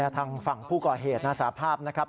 ทางฝั่งผู้ก่อเหตุสาภาพนะครับ